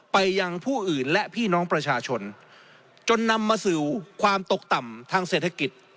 ไปยังผู้อื่นและพี่น้องประชาชนจนนำมาสู่ความตกต่ำทางเศรษฐกิจ